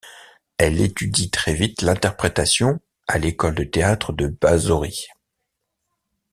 Elle étudie très vite l’interprétation à l'École de Théâtre de Basauri.